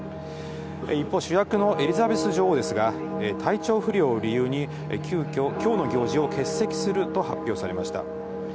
一方、主役のエリザベス女王ですが、体調不良を理由に、急きょ、きょうの行事を欠席すると発表されました。